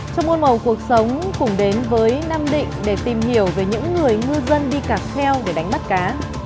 trong môn màu cuộc sống cùng đến với nam định để tìm hiểu về những người ngư dân đi cà kheo để đánh bắt cá